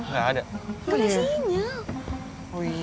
gak ada sinyal